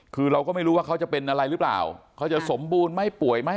คือเราก็ไม่รู้ว่าเขาจะเป็นอะไรหรือเปล่าเขาจะสมบูรณ์ไม่ป่วยไหม